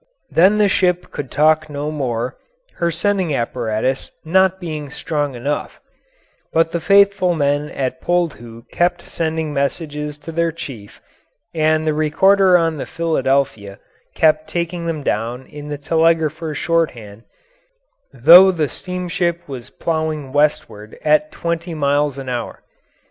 Then the ship could talk no more, her sending apparatus not being strong enough; but the faithful men at Poldhu kept sending messages to their chief, and the recorder on the Philadelphia kept taking them down in the telegrapher's shorthand, though the steamship was plowing westward at twenty miles an hour.